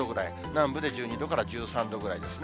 南部で１２度から１３度ぐらいですね。